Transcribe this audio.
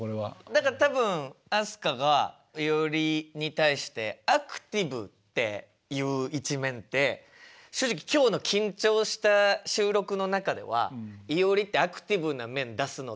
だから多分飛鳥がいおりに対して「アクティブ」っていう一面って正直今日の緊張した収録の中ではいおりってアクティブな面出すのって難しいじゃん。